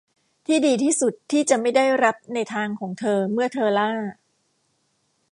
ที่ดีที่สุดที่จะไม่ได้รับในทางของเธอเมื่อเธอล่า